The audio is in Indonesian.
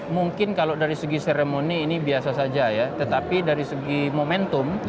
mungkin kalau dari segi seremoni ini biasa saja ya tetapi dari segi momentum